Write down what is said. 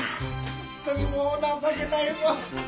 ホントにもう情けないわ。